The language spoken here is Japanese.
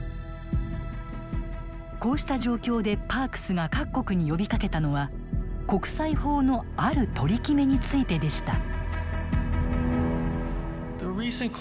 こうした状況でパークスが各国に呼びかけたのは国際法のある取り決めについてでした。